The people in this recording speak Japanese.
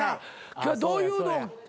今日はどういうの。